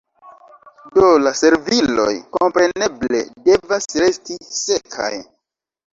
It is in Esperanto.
Do la serviloj, kompreneble, devas resti sekaj.